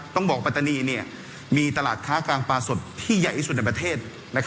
ต้องบอกปัตตานีมีตลาดค้ากลางปลาสดที่ใหญ่ที่สุดในประเทศ